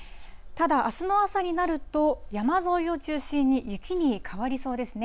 ただあすの朝になると、山沿いを中心に雪に変わりそうですね。